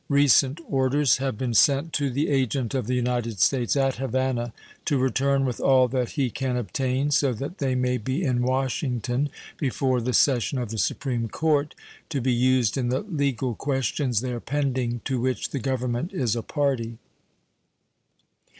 Recent orders have been sent to the agent of the United States at Havana to return with all that he can obtain, so that they may be in Washington before the session of the Supreme Court, to be used in the legal questions there pending to which the Government is a party.